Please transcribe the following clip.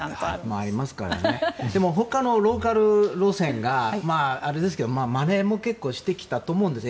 でも他のローカル路線がまねも結構してきたと思うんです。